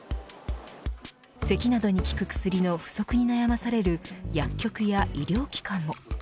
せきなどに効く薬の不足に悩まされる薬局や医療機関も。